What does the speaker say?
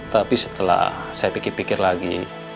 tapi setelah saya pikir pikir lagi